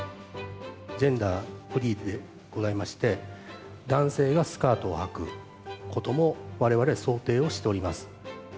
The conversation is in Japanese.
ジェンダーフリーでございまして、男性がスカートをはくこともわれわれは想定をしております。